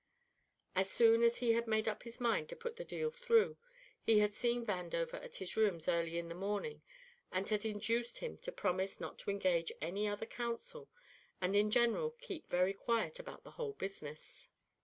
As soon as he had made up his mind to put the "deal" through, he had seen Vandover at his rooms early in the morning and had induced him to promise not to engage any other counsel and in general keep very quiet about the whole business.